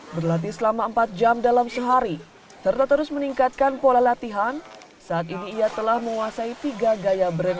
berlatih selama empat jam dalam sehari serta terus meningkatkan pola latihan saat ini ia telah menguasai tiga gaya brand